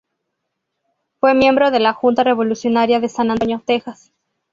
Fue miembro de la junta revolucionaria de San Antonio, Texas.